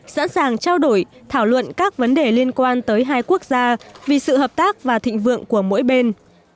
sẵn sàng trao đổi thảo luận các vấn đề liên quan tới hai quốc gia vì sự hợp tác và thịnh vượng của mỗi bên